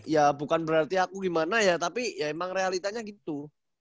ya bukan berarti aku gimana ya tapi ya emang realitanya gitu